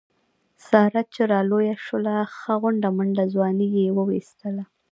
ساره چې را لویه شوله ښه غونډه منډه ځواني یې و ایستله.